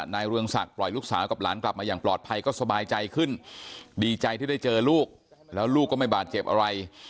เรืองศักดิ์ปล่อยลูกสาวกับหลานกลับมาอย่างปลอดภัยก็สบายใจขึ้นดีใจที่ได้เจอลูกแล้วลูกก็ไม่บาดเจ็บอะไร